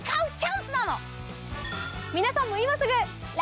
皆さんも今すぐ。